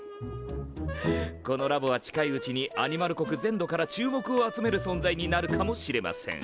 このラボは近いうちにアニマル国全土から注目を集める存在になるかもしれません。